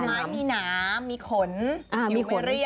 ผลไม้หนามีขนอยู่ไม่เรียบ